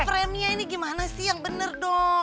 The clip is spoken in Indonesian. frame nya ini gimana sih yang bener dong